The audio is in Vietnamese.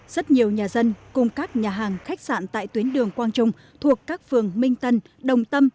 rất nhiều nhà dân cùng các nhà hàng khách sạn tại tuyến đường quang trung thuộc các phường minh tân đồng tâm